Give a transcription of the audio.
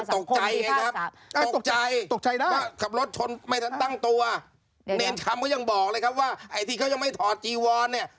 ตกใจไงครับตกใจว่าขับรถชนไม่ตั้งตัวเนรนคำก็ยังบอกเลยครับว่าไอ้ที่เขายังไม่ถอดจีวอร์น